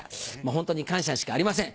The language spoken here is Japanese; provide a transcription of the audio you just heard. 本当に感謝しかありません。